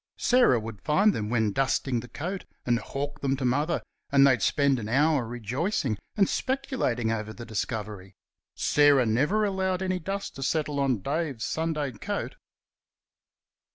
Sarah would find them when dusting the coat and hawk them to Mother, and they'd spend an hour rejoicing and speculating over the discovery. Sarah never allowed any dust to settle on Dave's Sunday coat.